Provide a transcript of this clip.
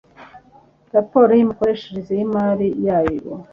raporo y imikoreshereze y imari yawo